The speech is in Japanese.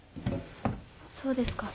そうですか。